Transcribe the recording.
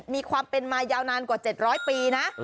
มีความเป็นมายาวนานกว่า๗๐๐ปีนะ